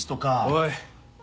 おい。